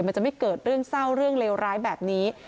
มันจะไม่เกิดเรื่องเศร้าเรื่องเลวร้ายแบบนี้